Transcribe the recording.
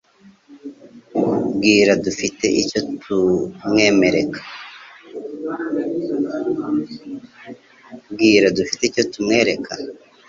Bwira dufite icyo tumwereka.